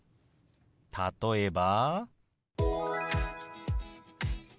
例えば。